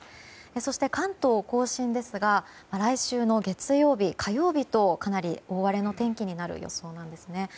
そして関東・甲信ですが来週の月曜日、火曜日とかなり大荒れの天気になる予想なんですね。